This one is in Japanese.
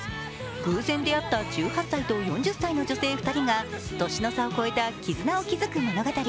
偶然であった１８歳と４０歳の女性２人が年の差を超えた絆を築く物語。